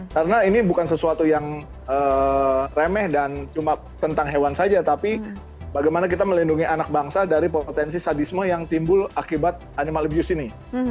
karena ini bukan sesuatu yang remeh dan cuma tentang hewan saja tapi bagaimana kita melindungi anak bangsa dari potensi sadisme yang timbul akibat animal abuse ini